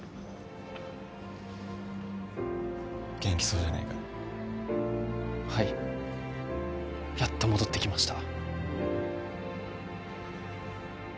元気そうじゃねえかはいやっと戻ってきました